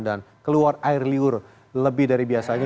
dan keluar air liur lebih dari biasanya